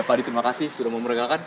pak adi terima kasih sudah memerikalkan